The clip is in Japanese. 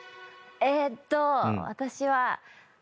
えーっと私は。